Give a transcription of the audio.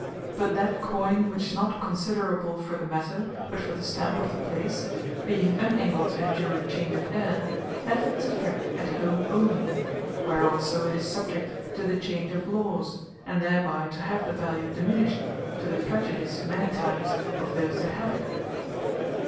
But that Coyne, which is not considerable for the Matter, but for the Stamp of the place, being unable to endure change of ayr, hath its effect at home only; where also it is subject to the change of Laws, and thereby to have the value diminished, to the prejudice many times of those that have it.